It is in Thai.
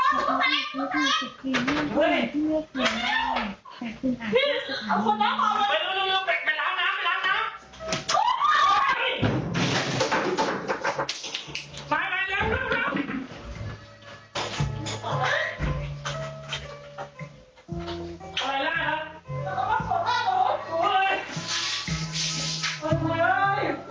ใหม่ใหม่ใหม่เร็วแล้ว